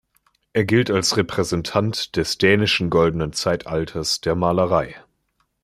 Er gilt als Repräsentant des dänischen Goldenen Zeitalters der Malerei.